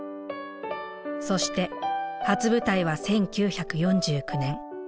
そして初舞台は１９４９年。